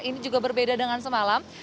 ini juga berbeda dengan semalam